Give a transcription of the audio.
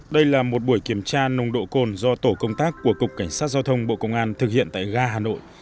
đây là một buổi kiểm tra nồng độ cồn do tổ công tác của cục cảnh sát giao thông bộ công an thực hiện tại ga hà nội